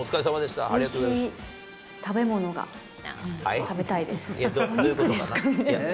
おいしい食べ物が食べたいです。